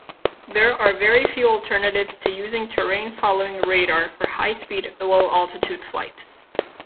There are very few alternatives to using terrain-following radar for high-speed, low altitude flight.